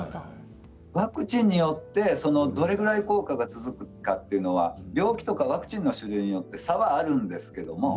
ワクチンによってどれくらい効果が続くかというのは病気やワクチンの種類によって差があるんです。。